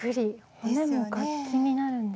骨も楽器になるんですね。